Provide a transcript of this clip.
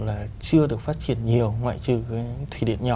là chưa được phát triển nhiều ngoại trừ cái thủy điện nhỏ